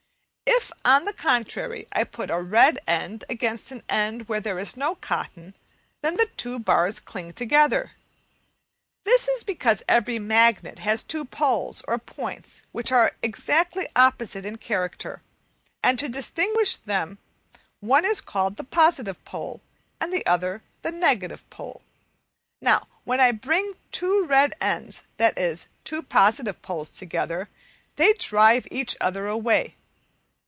If, on the contrary, I put a red end against an end where there is not cotton, then the two bars cling together. This is because every magnet has two poles or points which are exactly opposite in character, and to distinguish them one is called the positive pole and the other the negative pole. Now when I bring two red ends, that is, two positive poles together, they drive each other away.